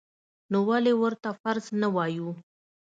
نو ولې ورته فرض نه وایو؟